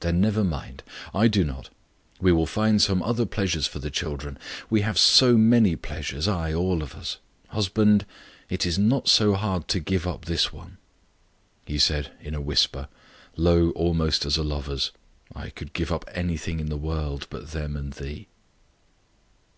"Then never mind. I do not. We will find some other pleasures for the children. We have so many pleasures, ay, all of us. Husband, it is not so hard to give up this one." He said, in a whisper, low almost as a lover's, "I could give up anything in the world but them and thee."